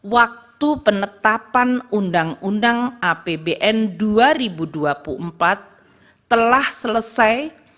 waktu penetapan undang undang apbn dua ribu dua puluh empat telah selesai